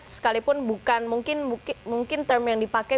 sekalipun bukan mungkin term yang dipakai